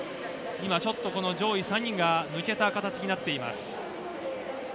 今、上位３人が抜けた形になっています。